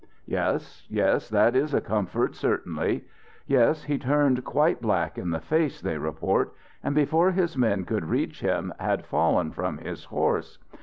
"Yes, yes, that is a comfort, certainly. Yes, he turned quite black in the face, they report, and before his men could reach him had fallen from his horse.